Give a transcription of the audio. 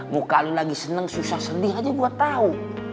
muka lo lagi seneng susah sedih aja gue tau